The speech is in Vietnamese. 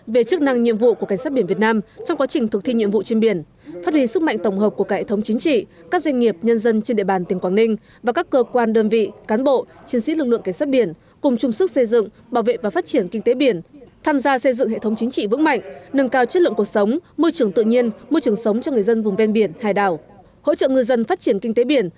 về chức năng nhiệm vụ của cảnh sát biển việt nam trong quá trình thực thi nhiệm vụ trên biển phát huy sức mạnh tổng hợp của cả hệ thống chính trị các doanh nghiệp nhân dân trên địa bàn tỉnh quảng ninh và các cơ quan đơn vị cán bộ chiến sĩ lực lượng cảnh sát biển cùng chung sức xây dựng bảo vệ và phát triển kinh tế biển tham gia xây dựng hệ thống chính trị vững mạnh nâng cao chất lượng cuộc sống môi trường tự nhiên môi trường sống cho người dân vùng ven biển hải đảo hỗ trợ ngư dân phát triển kinh tế biển